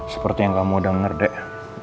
seperti yang kamu udah dengar dek